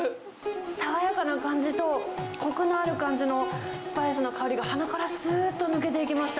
爽やかな感じとこくのある感じのスパイスの香りが鼻からすーっと抜けていきました。